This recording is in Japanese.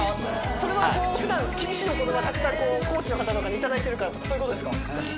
それはふだん厳しいお言葉をたくさんコーチの方とかにいただいてるからとかそういうことですか？